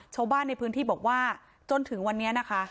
ชาวบ้านในพื้นที่บอกว่าจนถึงวันนี้นะคะ